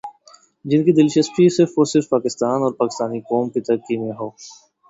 جن کی دلچسپی صرف اور صرف پاکستان اور پاکستانی قوم کی ترقی میں ہو ۔